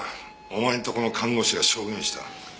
お前んとこの看護師が証言した。